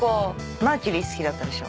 マーキュリー好きだったでしょ。